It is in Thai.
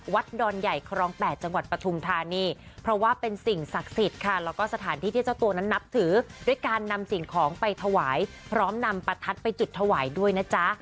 ดอนใหญ่ครอง๘จังหวัดปฐุมธานีเพราะว่าเป็นสิ่งศักดิ์สิทธิ์ค่ะแล้วก็สถานที่ที่เจ้าตัวนั้นนับถือด้วยการนำสิ่งของไปถวายพร้อมนำประทัดไปจุดถวายด้วยนะจ๊ะ